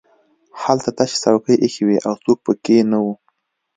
هلته تشې څوکۍ ایښې وې او څوک پکې نه وو